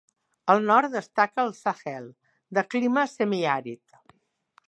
Al nord destaca el Sahel, de clima semiàrid.